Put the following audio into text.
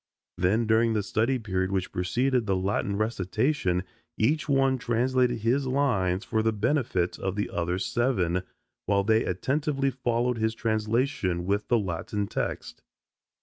Then during the study period which preceded the Latin recitation each one translated his lines for the benefit of the other seven, while they attentively followed his translation with the Latin text.